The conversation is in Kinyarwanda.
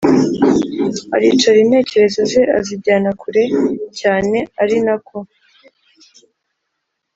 aricara intekerezo ze azijyana kure cyane arinako